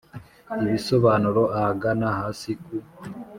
ibisobanuro ahagana hasi ku